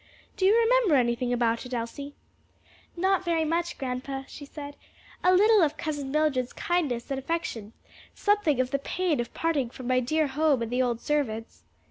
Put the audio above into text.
Do you remember anything about it, Elsie?" "Not very much, grandpa," she said: "a little of Cousin Mildred's kindness and affection; something of the pain of parting from my dear home and the old servants.